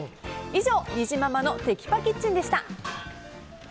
以上にじままのテキパキッチンでした。